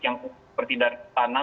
yang bertidak tanam